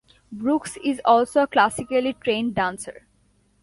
Brooks is also a classically trained dancer.